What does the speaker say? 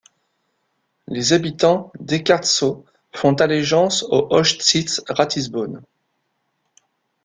Les habitants d'Eckartsau font allégeance au Hochstift Ratisbonne.